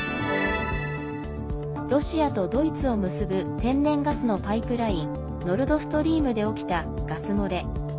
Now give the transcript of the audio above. ロシアとドイツを結ぶ天然ガスのパイプラインノルドストリームで起きたガス漏れ。